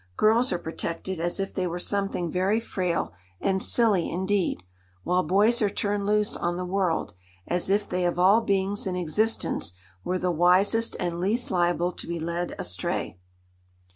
Girls are protected as if they were something very frail and silly indeed, while boys are turned loose on the world, as if they of all beings in existence were the wisest and least liable to be led astray."